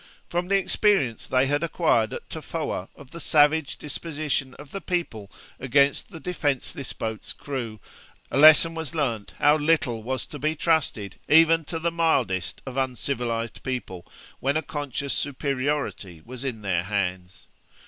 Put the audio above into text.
From the experience they had acquired at Tofoa of the savage disposition of the people against the defenceless boat's crew, a lesson was learned how little was to be trusted, even to the mildest of uncivilized people, when a conscious superiority was in their hands.